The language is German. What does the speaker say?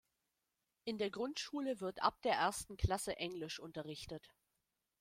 In der Grundschule wird ab der ersten Klasse Englisch unterrichtet.